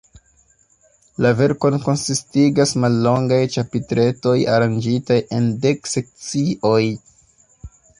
La verkon konsistigas mallongaj ĉapitretoj, aranĝitaj en dek sekcioj.